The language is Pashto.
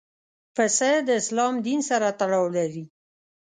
پسه د اسلام دین سره تړاو لري.